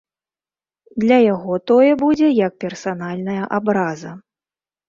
Для яго тое будзе як персанальная абраза.